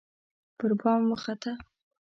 پربام وخته